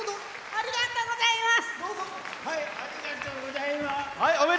ありがとうございます！